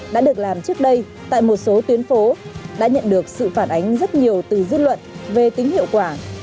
đã được làm trước đây tại một số tuyến phố đã nhận được sự phản ánh rất nhiều từ dư luận về tính hiệu quả